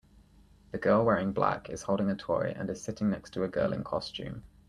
The girl wearing black is holding a toy and is sitting next to a girl in costume.